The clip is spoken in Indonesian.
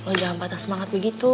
oh jangan patah semangat begitu